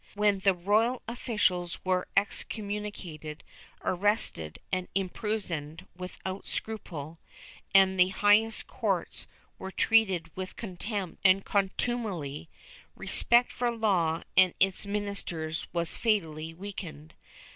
When the royal officials were excommunicated, arrested and imprisoned without scruple, and the highest courts were treated with contempt and contumely, respect for law and its ministers was fatally weakened.